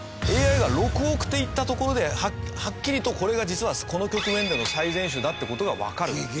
ＡＩが６億手いったところではっきりとこれが実はこの局面での最善手だっていう事がわかる。